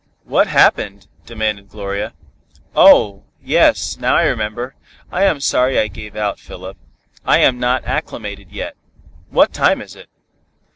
"What happened?" demanded Gloria. "Oh! yes, now I remember. I am sorry I gave out, Philip. I am not acclimated yet. What time is it?"